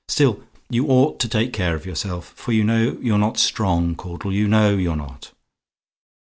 Still, you ought to take care of yourself; for you know you're not strong, Caudle; you know you're not.